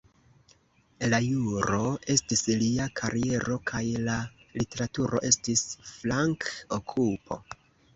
La juro estis lia kariero, kaj la literaturo estis flank-okupo.